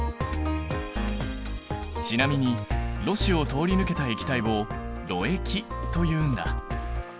ちなみにろ紙を通り抜けた液体を「ろ液」というんだ。